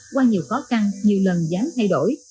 qua nhiều khó khăn nhiều lần gián thay đổi